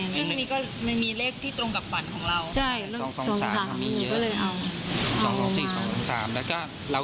อันนี้ก็ไม่มีเลขที่ตรงกับฝันของเรา